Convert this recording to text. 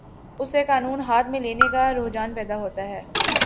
اس سے قانون ہاتھ میں لینے کا رجحان پیدا ہوتا ہے۔